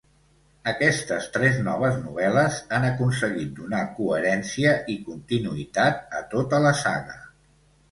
Aquestes tres noves novel·les han aconseguit donar coherència i continuïtat a tota la saga.